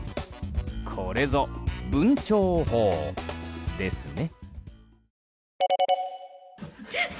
これぞ、文鳥砲ですね。